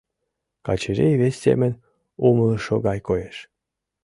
Качырий вес семын умылышо гай коеш.